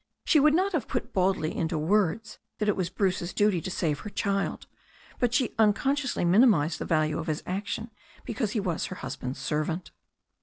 She would not have put baldly into words that it was Bruce's duty to save her child, but she uncon sciously minimised the value of his action because he was her husband's servant.